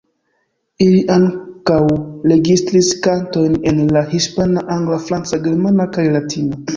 Ili ankaŭ registris kantojn en la hispana, angla, franca, germana kaj latina.